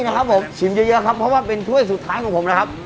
นะครับผมชิมเยอะครับเพราะว่าเป็นถ้วยสุดท้ายของผมนะครับ